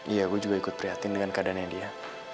iya gue juga ikut prihatin dengan keadaannya dia